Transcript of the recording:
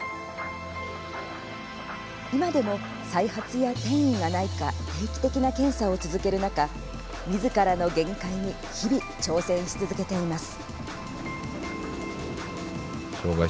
今でも、再発や転移がないか定期的な検査を続ける中みずからの限界に日々、挑戦し続けています。